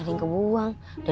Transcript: ini kalau aa